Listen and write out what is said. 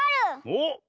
おっ。